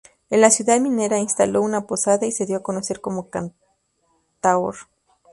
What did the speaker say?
En la ciudad minera instaló una posada y se dio a conocer como cantaor.